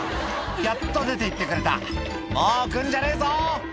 「やっと出ていってくれたもう来るんじゃねえぞ」